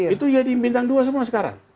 itu jadi bintang dua semua sekarang